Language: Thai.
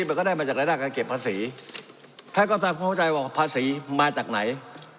มันก็ได้มาจากรายได้การเก็บภาษีท่านก็ทำความเข้าใจว่าภาษีมาจากไหน